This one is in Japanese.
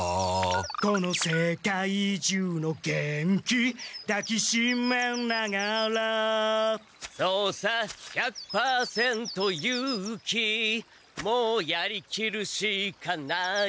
「この世界中の元気抱きしめながら」「そうさ１００％勇気」「もうやりきるしかないさ」